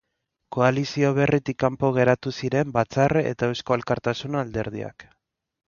Koalizio berritik kanpo geratu ziren Batzarre eta Eusko Alkartasuna alderdiak.